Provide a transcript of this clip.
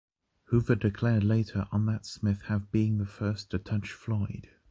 Hoover declared later on that Smith have being the first to touch Floyd.